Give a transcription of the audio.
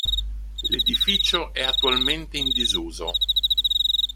L'edificio è attualmente in disuso.